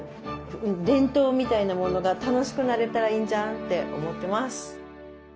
伝統みたいなものが楽しくなれたらいいんじゃんって思ってます。